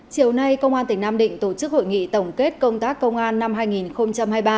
chiều nay công an tỉnh nam định tổ chức hội nghị tổng kết công tác công an năm hai nghìn hai mươi ba